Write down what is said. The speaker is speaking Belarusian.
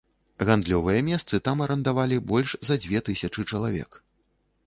Гандлёвыя месцы там арандавалі больш за дзве тысячы чалавек.